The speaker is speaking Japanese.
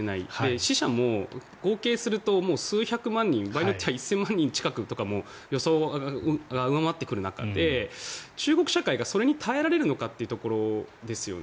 死者も合計すると数百万人場合によっては１０００万人近くとか予想を上回ってくる中で中国社会がそれに耐えられるのかというところですよね。